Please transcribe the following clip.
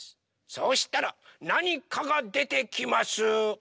そうしたらなにかがでてきます！